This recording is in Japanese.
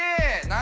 何？